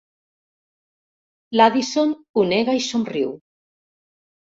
L'Addison ho nega i somriu.